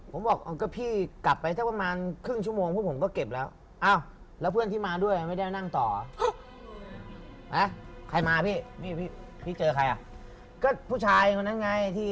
ผมบอกพี่กลับไปทั้งว่ามานครึ่งชั่วโมง